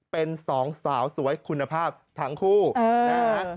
เป็นสองสาวสวยคุณภาพทั้งคู่นะฮะ